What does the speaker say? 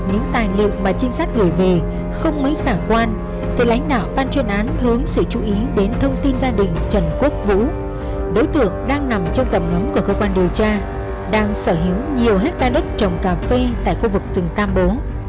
những tài liệu mà trinh sát gửi về không mấy khả quan thì lãnh đạo ban chuyên án hướng sự chú ý đến thông tin gia đình trần quốc vũ đối tượng đang nằm trong tầm ngắm của cơ quan điều tra đang sở hữu nhiều hectare đất trồng cà phê tại khu vực rừng tam bố